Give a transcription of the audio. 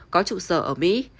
có trụ sở ở mỹ